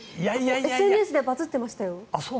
ＳＮＳでバズってましたよ。